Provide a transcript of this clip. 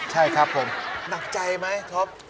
ใช่ครับผมนักใจไหมเพราะม